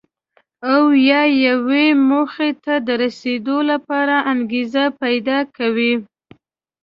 او یا یوې موخې ته د رسېدو لپاره انګېزه پیدا کوي.